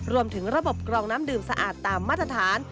รวมถึงระบบกรองน้ำดื่มสะอาดตามมาตรฐาน